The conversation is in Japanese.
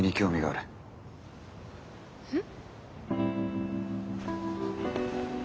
えっ？